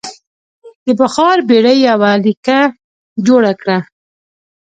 د بخار بېړۍ یوه لیکه جوړه کړه.